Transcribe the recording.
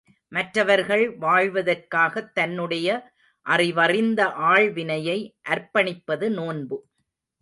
மற்றவர்கள் வாழ்வதற்காகத் தன்னுடைய அறிவறிந்த ஆள்வினையை அர்ப்பணிப்பது நோன்பு.